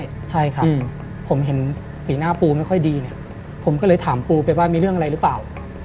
อเรนนี่ใช่ค่ะผมเห็นสีหน้าปูไม่ค่อยดีผมก็เลยถามปูไปว่ามีเรื่องอะไรรึเปล่า